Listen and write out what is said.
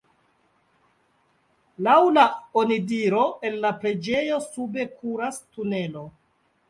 Laŭ la onidiro el la preĝejo sube kuras tunelo.